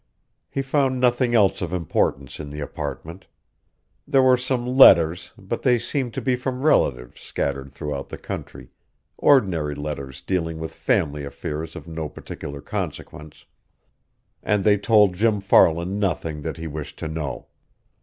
He found nothing else of importance in the apartment. There were some letters, but they seemed to be from relatives scattered throughout the country, ordinary letters dealing with family affairs of no particular consequence, and they told Jim Farland nothing that he wished to know.